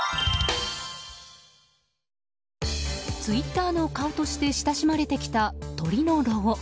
ツイッターの顔として親しまれてきた鳥のロゴ。